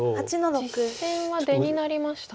実戦は出になりましたね。